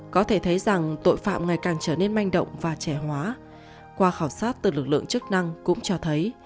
có thể thấy rằng tội phạm ngày càng trở nên manh động và trẻ hóa qua khảo sát từ lực lượng chức năng cũng cho thấy